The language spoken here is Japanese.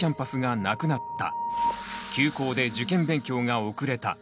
「休校で受験勉強が遅れた」。